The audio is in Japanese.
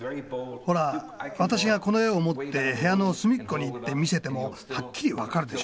ほら私がこの絵を持って部屋の隅っこに行って見せてもはっきり分かるでしょ。